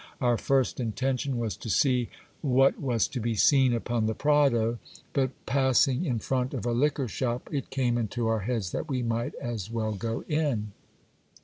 Our first intention was to see what was to be seen upon the Prado; but passing in front of a liquor shop, it came into our heads that we might as well go in.